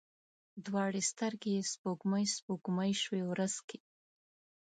دواړې سترګي یې سپوږمۍ، سپوږمۍ شوې ورځ کې